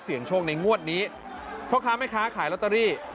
เสี่ยงโชคในงวดนี้เพราะค้าไม่ค้าขายลอตเตอรี่